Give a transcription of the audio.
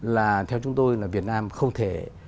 là theo chúng tôi là việt nam không thể